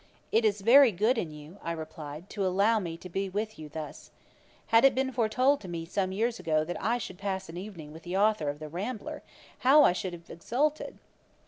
'It is very good in you (I replied,) to allow me to be with you thus. Had it been foretold to me some years ago that I should pass an evening with the authour of The Rambler, how should I have exulted!'